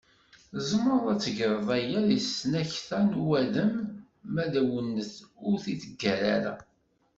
Tzemreḍ ad tegreḍ aya deg tesnakta n uwadem ma deg uwennet ur t-id-ggar ara.